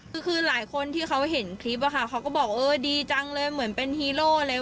คือคือหลายคนที่เขาเห็นคลิปอะค่ะเขาก็บอกเออดีจังเลยเหมือนเป็นฮีโร่เลย